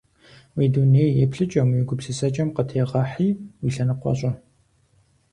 Уи дуней еплъыкӀэм, уи гупсысэкӀэм къытегъэхьи, уи лъэныкъуэ щӀы.